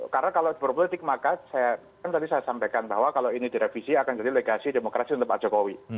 karena kalau berpolitik maka saya kan tadi saya sampaikan bahwa kalau ini direvisi akan jadi legasi demokrasi untuk pak jokowi